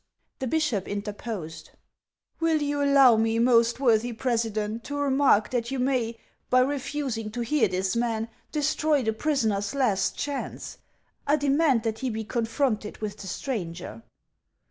The bishop interposed :" Will you allow me, most worthy President, to remark that you may, by refusing to hear this man, destroy the prisoner's last chance ? I de mand that he be confronted with the stranger."